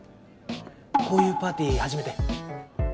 こういうパーティー初めて？